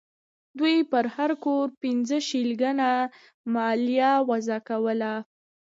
دوی پر هر کور پنځه شلینګه مالیه وضع کوله.